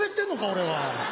俺は。